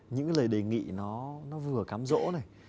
những cái lời đề nghị nó vừa cám rỗ này